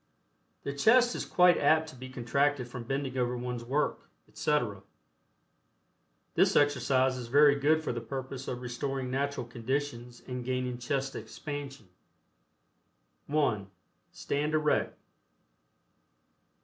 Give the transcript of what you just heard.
The chest is quite apt to be contracted from bending over one's work, etc. This exercise is very good for the purpose of restoring natural conditions and gaining chest expansion. (1) Stand erect.